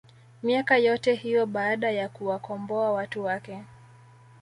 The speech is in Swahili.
miaka yote hiyo baada ya kuwakomboa watu wake